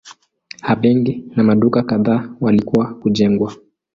A benki na maduka kadhaa walikuwa kujengwa.